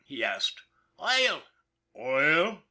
" he asked. "Oil!" " Oil